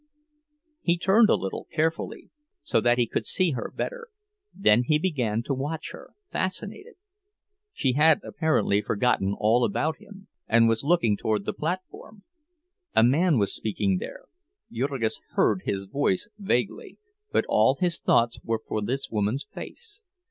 He turned a little, carefully, so that he could see her better; then he began to watch her, fascinated. She had apparently forgotten all about him, and was looking toward the platform. A man was speaking there—Jurgis heard his voice vaguely; but all his thoughts were for this woman's face.